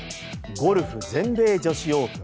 ゴルフ全米女子オープン。